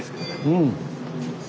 うん。